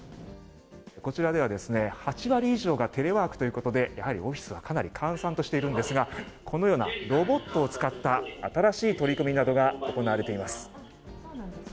こちらでは８割以上がテレワークということでやはりオフィスはかなり閑散としているんですがこのようなロボットを使った新しい取り組みなどが行われています。